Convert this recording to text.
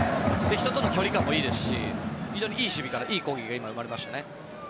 人との距離感もいいですし非常にいい守備からいい攻撃が今、生まれましたね。